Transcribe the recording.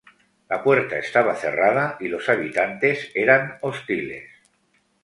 La puerta estaba cerrada y los habitantes eran hostiles.